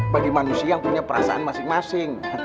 bagi manusia yang punya perasaan masing masing